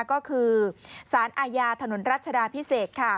ก็คือสารอาญาถนนรัชดาพิเศษค่ะ